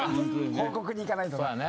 報告に行かないとな。